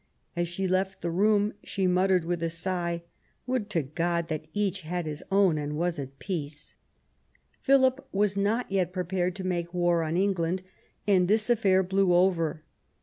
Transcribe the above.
As she left the room she muttered with a sigh :Would to God that each had his own and was at peace ''. Philip was not yet prepared to make war on England, and this affair blew over.